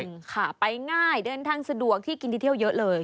จริงค่ะไปง่ายเดินทางสะดวกที่กินที่เที่ยวเยอะเลย